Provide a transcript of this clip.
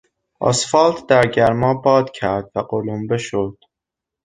اسفالت در گرما باد کرد و قلمبه شد.